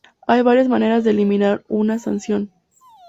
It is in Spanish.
Hay varias maneras de eliminar una sanción.